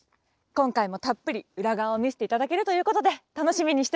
今回もたっぷり裏側を見せて頂けるということで楽しみにしてます。